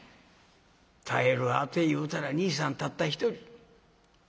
頼る当ていうたら兄さんたった一人。